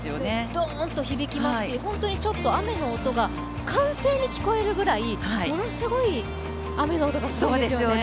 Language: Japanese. ドーンと響きますし、本当に雨の音が歓声に聞こえるぐらいものすごい雨の音がすごいですね。